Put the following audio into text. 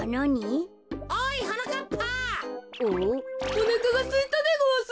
おなかがすいたでごわす。